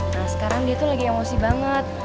nah sekarang dia tuh lagi emosi banget